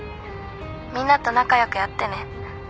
みんなと仲良くやってね。